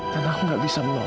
dan aku gak bisa menolak